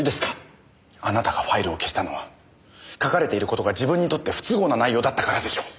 あなたがファイルを消したのは書かれている事が自分にとって不都合な内容だったからでしょう！